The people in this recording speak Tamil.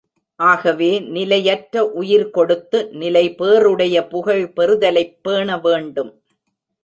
ஆகவே நிலையற்ற உயிர் கொடுத்து, நிலைபேறுடைய புகழ் பெறுதலைப் பேண வேண்டும்.